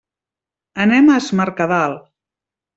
Anem a es Mercadal.